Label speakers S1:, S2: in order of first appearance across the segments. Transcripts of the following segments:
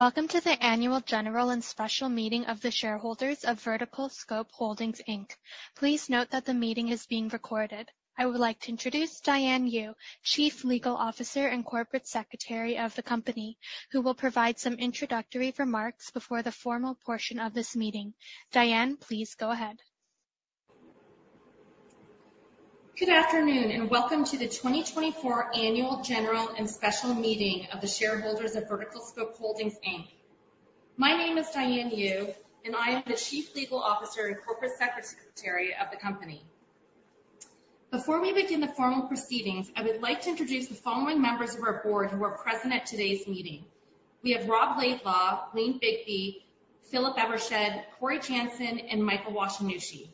S1: Welcome to the annual general and special meeting of the shareholders of VerticalScope Holdings Inc. Please note that the meeting is being recorded. I would like to introduce Diane Yu, Chief Legal Officer and Corporate Secretary of the company, who will provide some introductory remarks before the formal portion of this meeting. Diane, please go ahead.
S2: Good afternoon, and welcome to the 2024 annual general and special meeting of the shareholders of VerticalScope Holdings Inc. My name is Diane Yu, and I am the Chief Legal Officer and Corporate Secretary of the company. Before we begin the formal proceedings, I would like to introduce the following members of our board who are present at today's meeting. We have Rob Laidlaw, Wayne Bigby, Philip Evershed, Cory Janssen, and Michael Washinushi.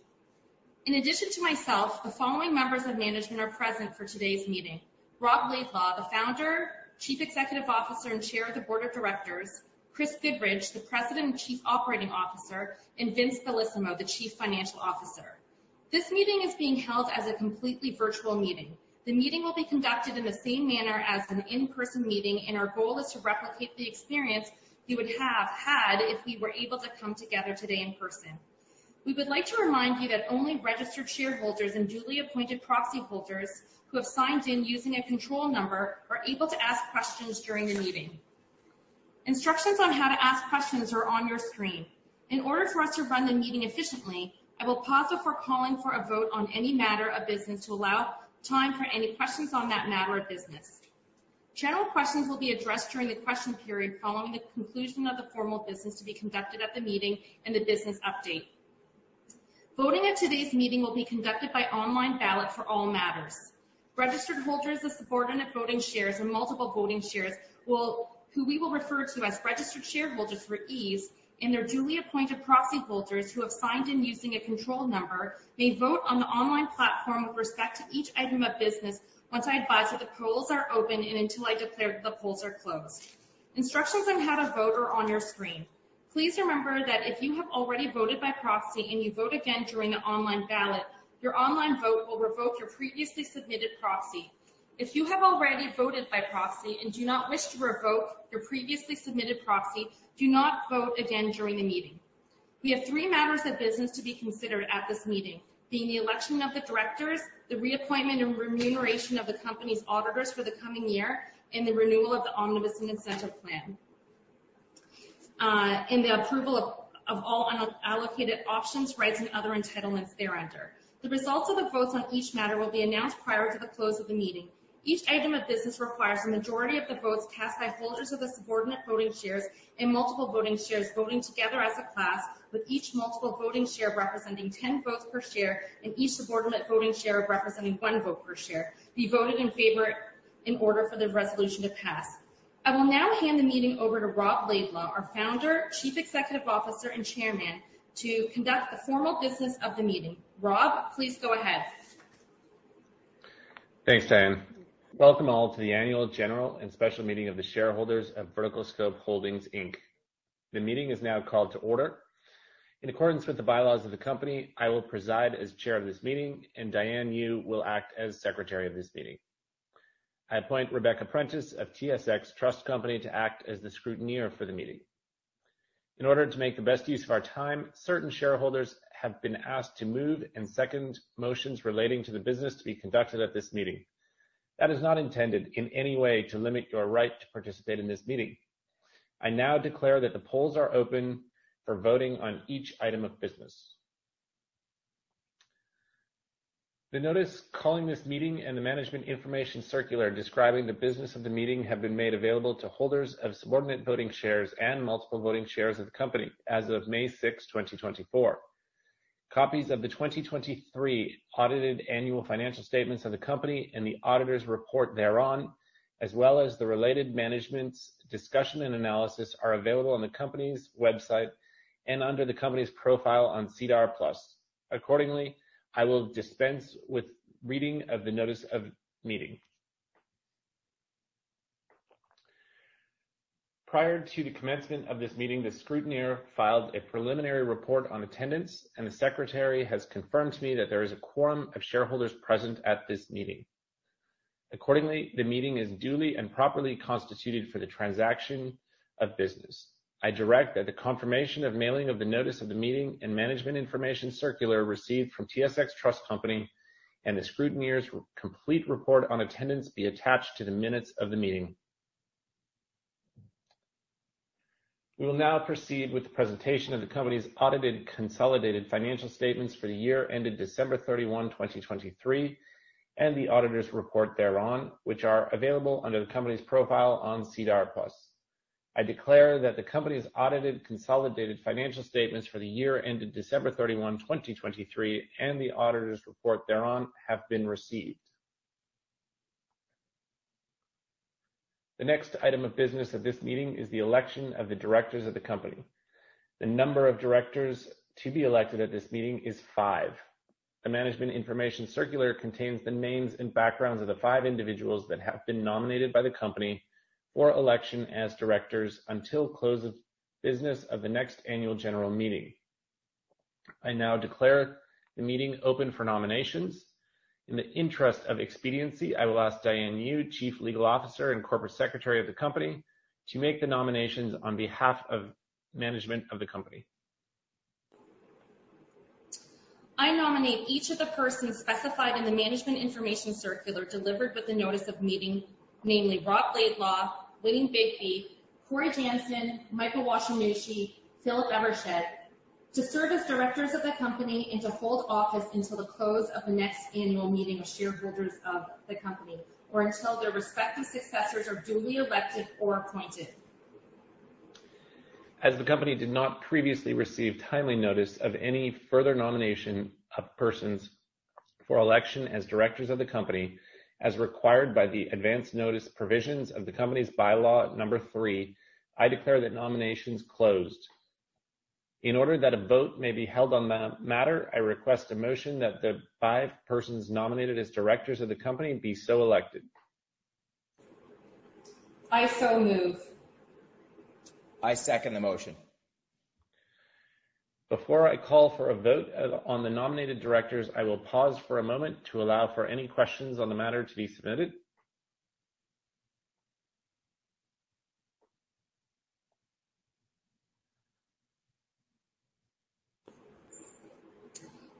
S2: In addition to myself, the following members of management are present for today's meeting. Rob Laidlaw, the founder, Chief Executive Officer, and Chair of the Board of Directors, Chris Goodridge, the President and Chief Operating Officer, and Vincenzo Bellissimo, the Chief Financial Officer. This meeting is being held as a completely virtual meeting. The meeting will be conducted in the same manner as an in-person meeting, and our goal is to replicate the experience you would have had if we were able to come together today in person. We would like to remind you that only registered shareholders and duly appointed proxy holders who have signed in using a control number are able to ask questions during the meeting. Instructions on how to ask questions are on your screen. In order for us to run the meeting efficiently, I will pause before calling for a vote on any matter of business to allow time for any questions on that matter of business. General questions will be addressed during the question period following the conclusion of the formal business to be conducted at the meeting and the business update. Voting at today's meeting will be conducted by online ballot for all matters. Registered holders of subordinate voting shares or multiple voting shares, who we will refer to as registered shareholders for ease, and their duly appointed proxy holders who have signed in using a control number, may vote on the online platform with respect to each item of business once I advise that the polls are open and until I declare the polls are closed. Instructions on how to vote are on your screen. Please remember that if you have already voted by proxy and you vote again during the online ballot, your online vote will revoke your previously submitted proxy. If you have already voted by proxy and do not wish to revoke your previously submitted proxy, do not vote again during the meeting. We have three matters of business to be considered at this meeting, being the election of the directors, the reappointment and remuneration of the company's auditors for the coming year, and the renewal of the Omnibus Incentive Plan, and the approval of all unallocated options, rights, and other entitlements thereunder. The results of the votes on each matter will be announced prior to the close of the meeting. Each item of business requires a majority of the votes cast by holders of the subordinate voting shares and multiple voting shares voting together as a class, with each multiple voting share representing 10 votes per share and each subordinate voting share representing 1 vote per share, be voted in favor in order for the resolution to pass. I will now hand the meeting over to Rob Laidlaw, our Founder, Chief Executive Officer, and Chairman, to conduct the formal business of the meeting. Rob, please go ahead.
S3: Thanks, Diane. Welcome all to the annual general and special meeting of the shareholders of VerticalScope Holdings Inc. The meeting is now called to order. In accordance with the by-laws of the company, I will preside as chair of this meeting, and Diane Yu will act as secretary of this meeting. I appoint Rebecca Prentice of TSX Trust Company to act as the scrutineer for the meeting. In order to make the best use of our time, certain shareholders have been asked to move and second motions relating to the business to be conducted at this meeting. That is not intended in any way to limit your right to participate in this meeting. I now declare that the polls are open for voting on each item of business. The notice calling this meeting and the management information circular describing the business of the meeting have been made available to holders of subordinate voting shares and multiple voting shares of the company as of May 6, 2024. Copies of the 2023 audited annual financial statements of the company and the auditor's report thereon, as well as the related management's discussion and analysis, are available on the company's website and under the company's profile on SEDAR+. Accordingly, I will dispense with reading of the notice of meeting. Prior to the commencement of this meeting, the scrutineer filed a preliminary report on attendance, and the secretary has confirmed to me that there is a quorum of shareholders present at this meeting. Accordingly, the meeting is duly and properly constituted for the transaction of business. I direct that the confirmation of mailing of the notice of the meeting and management information circular received from TSX Trust Company and the scrutineer's complete report on attendance be attached to the minutes of the meeting. We will now proceed with the presentation of the company's audited consolidated financial statements for the year ended December 31, 2023, and the auditor's report thereon, which are available under the company's profile on SEDAR+. I declare that the company's audited consolidated financial statements for the year ended December 31, 2023, and the auditor's report thereon have been received. The next item of business of this meeting is the election of the directors of the company. The number of directors to be elected at this meeting is five. The management information circular contains the names and backgrounds of the five individuals that have been nominated by the company for election as directors until close of business of the next annual general meeting. I now declare the meeting open for nominations. In the interest of expediency, I will ask Diane Yu, Chief Legal Officer and Corporate Secretary of the company, to make the nominations on behalf of management of the company.
S2: I nominate each of the persons specified in the management information circular delivered with the notice of meeting, namely Rob Laidlaw, Wayne Bigby, Cory Janssen, Michael Washinushi, Philip Evershed, to serve as directors of the company and to hold office until the close of the next annual meeting of shareholders of the company, or until their respective successors are duly elected or appointed.
S3: As the company did not previously receive timely notice of any further nomination of persons for election as directors of the company, as required by the advance notice provisions of the company's By-law No. Three, I declare that nominations closed. In order that a vote may be held on the matter, I request a motion that the five persons nominated as directors of the company be so elected.
S2: I so move.
S4: I second the motion.
S3: Before I call for a vote on the nominated directors, I will pause for a moment to allow for any questions on the matter to be submitted.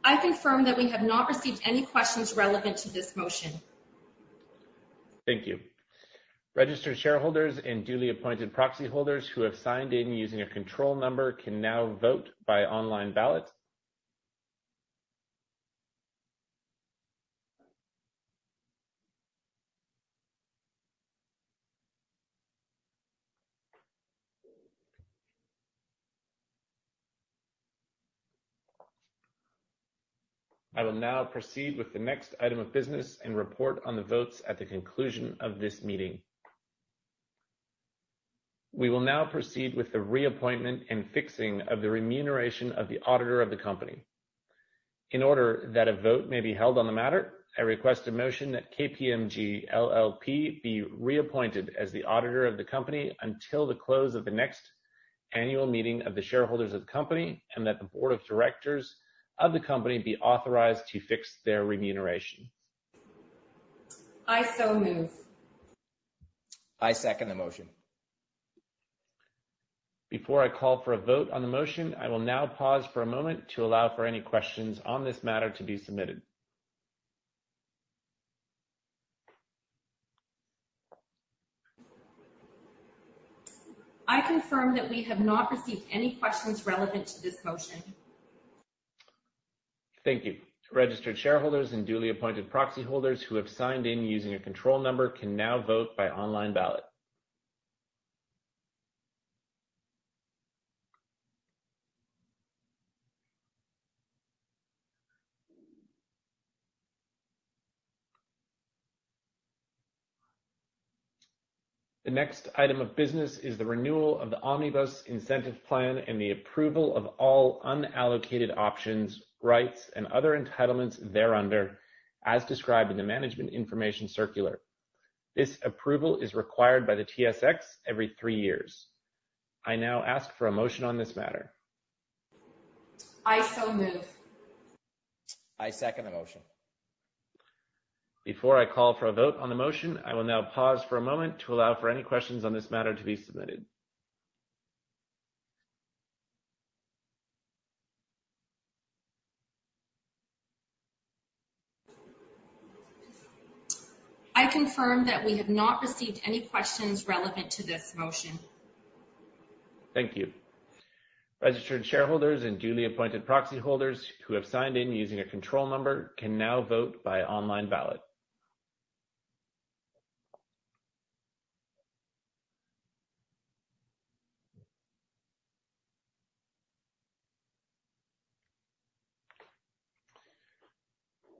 S2: I confirm that we have not received any questions relevant to this motion.
S3: Thank you. Registered shareholders and duly appointed proxy holders who have signed in using a control number can now vote by online ballot. I will now proceed with the next item of business and report on the votes at the conclusion of this meeting. We will now proceed with the reappointment and fixing of the remuneration of the auditor of the company. In order that a vote may be held on the matter, I request a motion that KPMG LLP be reappointed as the auditor of the company until the close of the next annual meeting of the shareholders of the company, and that the board of directors of the company be authorized to fix their remuneration.
S2: I so move.
S4: I second the motion.
S3: Before I call for a vote on the motion, I will now pause for a moment to allow for any questions on this matter to be submitted.
S2: I confirm that we have not received any questions relevant to this motion.
S3: Thank you. Registered shareholders and duly appointed proxy holders who have signed in using a control number can now vote by online ballot. The next item of business is the renewal of the Omnibus Incentive Plan and the approval of all unallocated options, rights, and other entitlements thereunder, as described in the management information circular. This approval is required by the TSX every three years. I now ask for a motion on this matter.
S2: I so move.
S4: I second the motion.
S3: Before I call for a vote on the motion, I will now pause for a moment to allow for any questions on this matter to be submitted.
S2: I confirm that we have not received any questions relevant to this motion.
S3: Thank you. Registered shareholders and duly appointed proxy holders who have signed in using a control number can now vote by online ballot.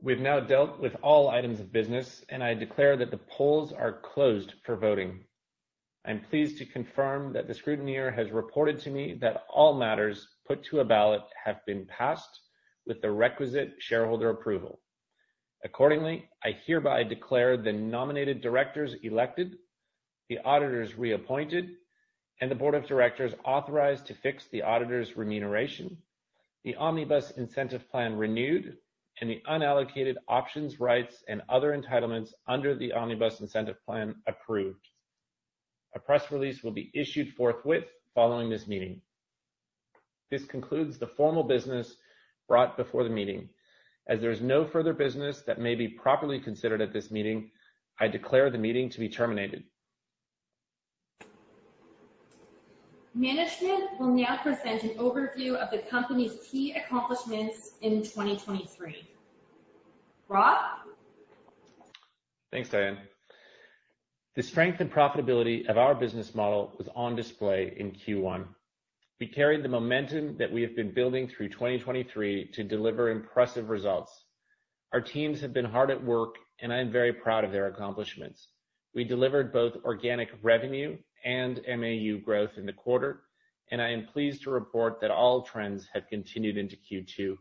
S3: We've now dealt with all items of business, and I declare that the polls are closed for voting. I'm pleased to confirm that the scrutineer has reported to me that all matters put to a ballot have been passed with the requisite shareholder approval. Accordingly, I hereby declare the nominated directors elected, the auditors reappointed, and the board of directors authorized to fix the auditors' remuneration, the Omnibus Incentive Plan renewed, and the unallocated options, rights, and other entitlements under the Omnibus Incentive Plan approved. A press release will be issued forthwith following this meeting. This concludes the formal business brought before the meeting. As there is no further business that may be properly considered at this meeting, I declare the meeting to be terminated.
S2: Management will now present an overview of the company's key accomplishments in 2023. Rob?
S3: Thanks, Diane. The strength and profitability of our business model was on display in Q1. We carried the momentum that we have been building through 2023 to deliver impressive results. Our teams have been hard at work, and I am very proud of their accomplishments. We delivered both organic revenue and MAU growth in the quarter, and I am pleased to report that all trends have continued into Q2.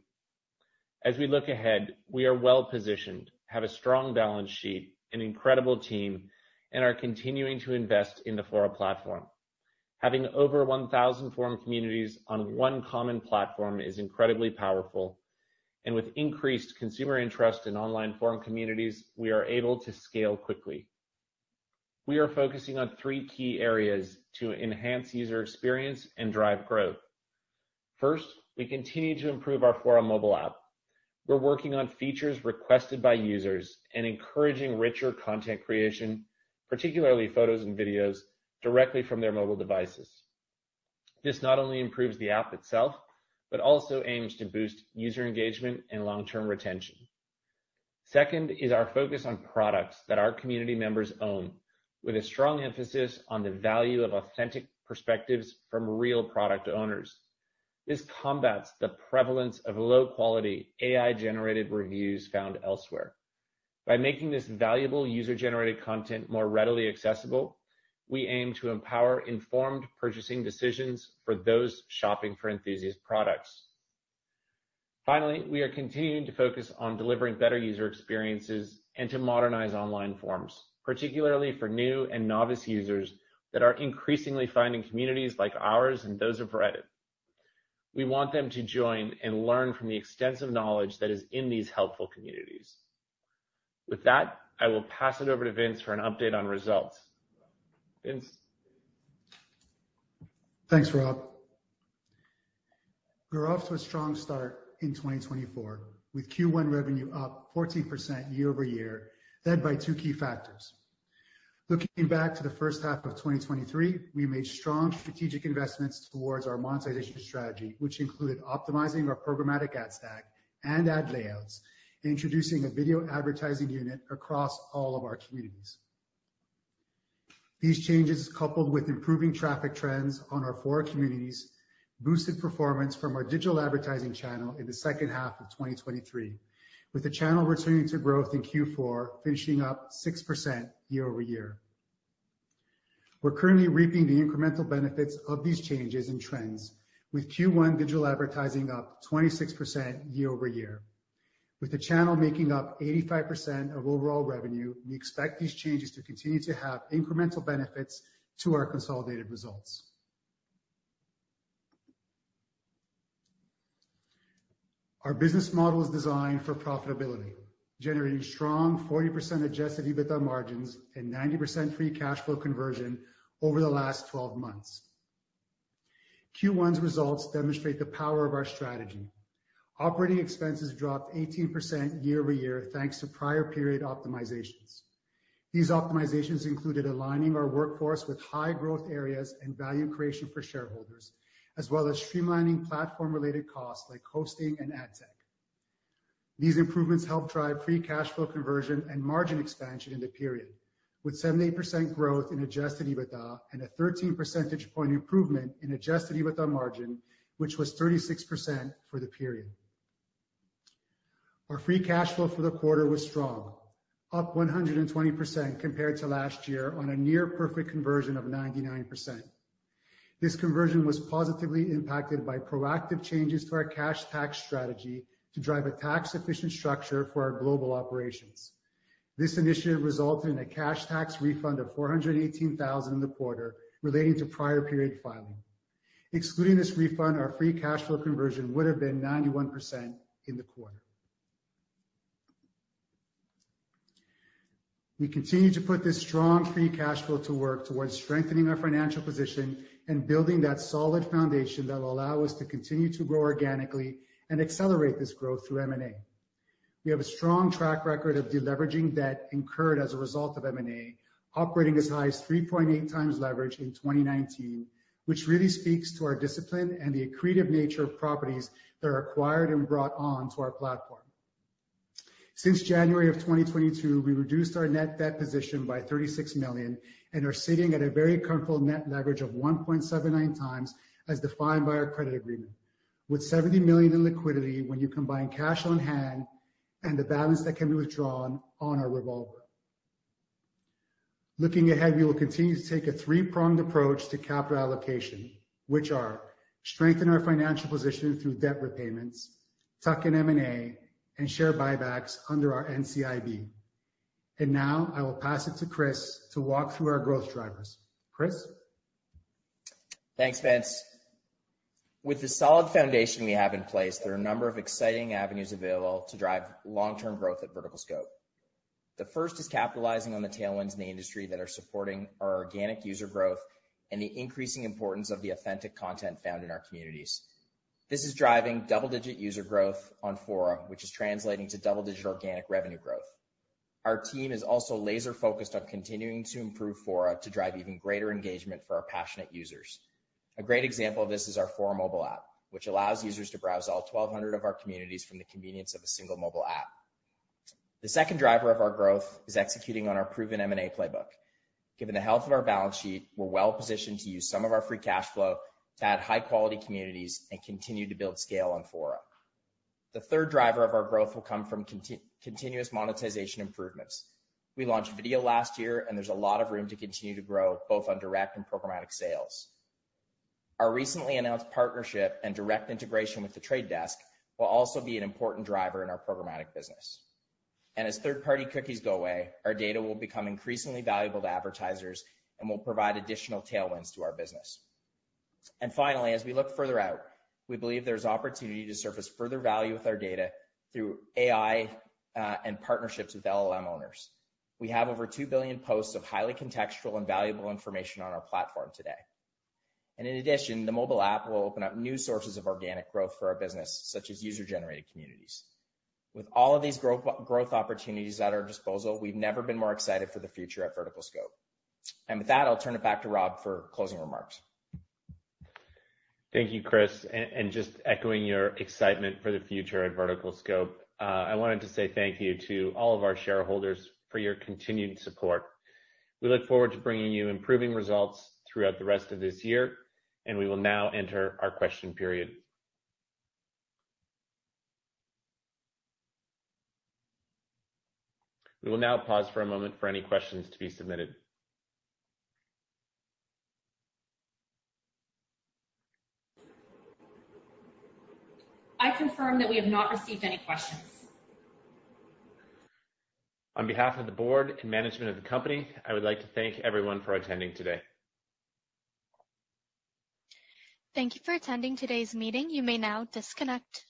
S3: As we look ahead, we are well-positioned, have a strong balance sheet, an incredible team, and are continuing to invest in the Fora platform. Having over 1,000 forum communities on one common platform is incredibly powerful. With increased consumer interest in online forum communities, we are able to scale quickly. We are focusing on three key areas to enhance user experience and drive growth. First, we continue to improve our Fora Mobile App. We're working on features requested by users and encouraging richer content creation, particularly photos and videos, directly from their mobile devices. This not only improves the app itself, but also aims to boost user engagement and long-term retention. Second is our focus on products that our community members own, with a strong emphasis on the value of authentic perspectives from real product owners. This combats the prevalence of low-quality, AI-generated reviews found elsewhere. By making this valuable user-generated content more readily accessible, we aim to empower informed purchasing decisions for those shopping for enthusiast products. Finally, we are continuing to focus on delivering better user experiences and to modernize online forums, particularly for new and novice users that are increasingly finding communities like ours and those of Reddit. We want them to join and learn from the extensive knowledge that is in these helpful communities. With that, I will pass it over to Vince for an update on results. Vince?
S5: Thanks, Rob. We're off to a strong start in 2024, with Q1 revenue up 14% year-over-year, led by two key factors. Looking back to the first half of 2023, we made strong strategic investments towards our monetization strategy, which included optimizing our programmatic ad stack and ad layouts, introducing a video advertising unit across all of our communities. These changes, coupled with improving traffic trends on our Fora communities, boosted performance from our digital advertising channel in the second half of 2023, with the channel returning to growth in Q4, finishing up 6% year-over-year. We're currently reaping the incremental benefits of these changes and trends with Q1 digital advertising up 26% year-over-year. With the channel making up 85% of overall revenue, we expect these changes to continue to have incremental benefits to our consolidated results. Our business model is designed for profitability, generating strong 40% adjusted EBITDA margins and 90% free cash flow conversion over the last 12 months. Q1's results demonstrate the power of our strategy. Operating expenses dropped 18% year-over-year, thanks to prior period optimizations. These optimizations included aligning our workforce with high growth areas and value creation for shareholders, as well as streamlining platform-related costs like hosting and ad tech. These improvements helped drive free cash flow conversion and margin expansion in the period, with 78% growth in adjusted EBITDA and a 13 percentage point improvement in adjusted EBITDA margin, which was 36% for the period. Our free cash flow for the quarter was strong, up 120% compared to last year on a near-perfect conversion of 99%. This conversion was positively impacted by proactive changes to our cash tax strategy to drive a tax-efficient structure for our global operations. This initiative resulted in a cash tax refund of 418,000 in the quarter relating to prior period filing. Excluding this refund, our free cash flow conversion would've been 91% in the quarter. We continue to put this strong free cash flow to work towards strengthening our financial position and building that solid foundation that will allow us to continue to grow organically and accelerate this growth through M&A. We have a strong track record of deleveraging debt incurred as a result of M&A, operating as high as 3.8x leverage in 2019, which really speaks to our discipline and the accretive nature of properties that are acquired and brought on to our platform. Since January of 2022, we reduced our net debt position by 36 million and are sitting at a very comfortable net leverage of 1.79x as defined by our credit agreement, with 70 million in liquidity when you combine cash on hand and the balance that can be withdrawn on our revolver. Looking ahead, we will continue to take a three-pronged approach to capital allocation, which are strengthen our financial position through debt repayments, tuck in M&A, and share buybacks under our NCIB. Now I will pass it to Chris to walk through our growth drivers. Chris?
S4: Thanks, Vince. With the solid foundation we have in place, there are a number of exciting avenues available to drive long-term growth at VerticalScope. The first is capitalizing on the tailwinds in the industry that are supporting our organic user growth and the increasing importance of the authentic content found in our communities. This is driving double-digit user growth on Fora, which is translating to double-digit organic revenue growth. Our team is also laser-focused on continuing to improve Fora to drive even greater engagement for our passionate users. A great example of this is our Fora Mobile App, which allows users to browse all 1,200 of our communities from the convenience of a single mobile app. The second driver of our growth is executing on our proven M&A playbook. Given the health of our balance sheet, we're well-positioned to use some of our free cash flow to add high-quality communities and continue to build scale on Fora. The third driver of our growth will come from continuous monetization improvements. We launched video last year, and there's a lot of room to continue to grow, both on direct and programmatic sales. Our recently announced partnership and direct integration with The Trade Desk will also be an important driver in our programmatic business. As third-party cookies go away, our data will become increasingly valuable to advertisers and will provide additional tailwinds to our business. Finally, as we look further out, we believe there's opportunity to surface further value with our data through AI and partnerships with LLM owners. We have over 2 billion posts of highly contextual and valuable information on our platform today. In addition, the mobile app will open up new sources of organic growth for our business, such as user-generated communities. With all of these growth opportunities at our disposal, we've never been more excited for the future at VerticalScope. With that, I'll turn it back to Rob for closing remarks.
S3: Thank you, Chris. Just echoing your excitement for the future at VerticalScope, I wanted to say thank you to all of our shareholders for your continued support. We look forward to bringing you improving results throughout the rest of this year, and we will now enter our question period. We will now pause for a moment for any questions to be submitted.
S2: I confirm that we have not received any questions.
S3: On behalf of the board and management of the company, I would like to thank everyone for attending today.
S1: Thank you for attending today's meeting. You may now disconnect.